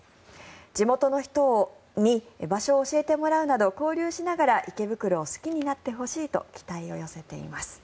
地元の人に場所を教えてもらうなど交流しながら池袋を好きになってほしいと期待を寄せています。